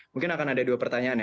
mungkin akan ada dua pertanyaan ya